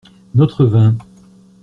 Notre vin.